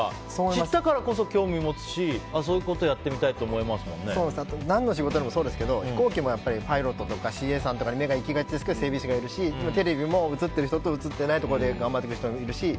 知ったからこそ興味持つしそういうことやってみたいってあと、何の仕事でもそうですが飛行機もパイロットとかＣＡさんとかに目が行きがちですけど整備士さんがいるしテレビも映っている人も映っていないところで頑張っている人もいるし